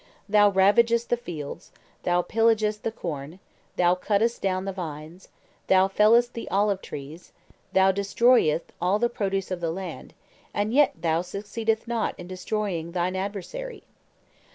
Thou ravagest the fields, thou pillagest the corn, thou cuttest down the vines, thou fellest the olive trees, thou destroyest all the produce of the land, and yet thou succeedest not in destroying thine adversary.